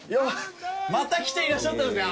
また来ていらっしゃったんですね。